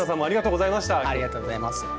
ありがとうございます。